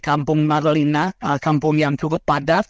kampung marlelina kampung yang cukup padat